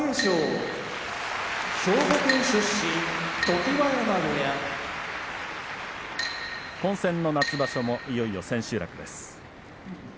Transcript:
常盤山部屋混戦の夏場所もいよいよ千秋楽です。